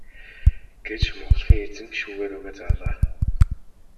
гэж мухлагийн эзэн шүүгээ рүүгээ заалаа.